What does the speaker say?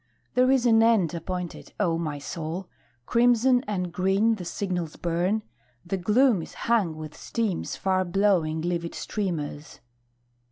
... There is an end appointed, O my soul! Crimson and green the signals burn; the gloom Is hung with steam's far blowing livid streamers.